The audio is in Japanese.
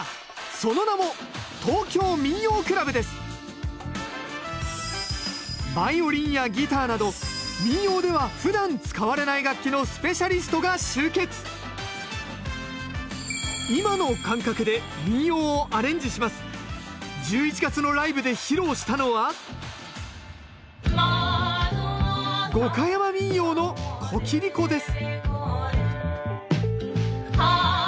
その名もバイオリンやギターなど民謡ではふだん使われない楽器のスペシャリストが集結１１月のライブで披露したのは五箇山民謡の「こきりこ」です